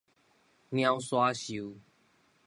貓徙岫